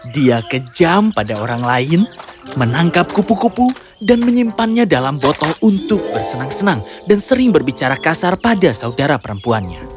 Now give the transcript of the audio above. dia kejam pada orang lain menangkap kupu kupu dan menyimpannya dalam botol untuk bersenang senang dan sering berbicara kasar pada saudara perempuannya